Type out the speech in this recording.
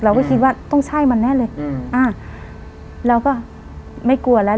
เราก็คิดว่าต้องใช่มันแน่เลยอืมอ่าเราก็ไม่กลัวแล้ว